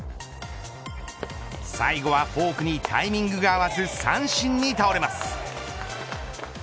最後はフォークにタイミングが合わず、三振に倒れます。